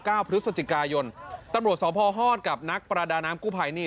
เก้าพฤศจิกายนตำรวจสพฮอตกับนักประดาน้ำกู้ภัยนี่